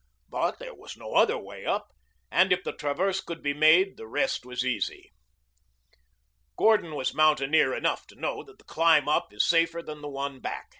But there was no other way up, and if the traverse could be made the rest was easy. Gordon was mountaineer enough to know that the climb up is safer than the one back.